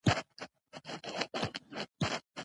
پر رښتین استاد کلام سو